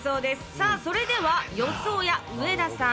さあそれでは予想屋上田さん